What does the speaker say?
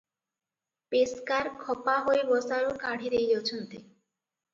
ପେସ୍କାର ଖପା ହୋଇ ବସାରୁ କାଢି ଦେଇଅଛନ୍ତି ।